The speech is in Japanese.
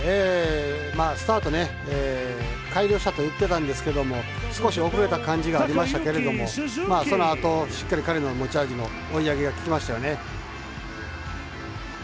スタートを改良していたと言ってたんですけども少し遅れた感じがありましたけれどもそのあと、しっかり彼の持ち味の追い上げが利きましたよね。